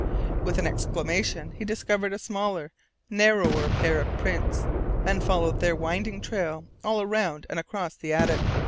With an exclamation he discovered a smaller, narrow pair of prints, and followed their winding trail all around and across the attic.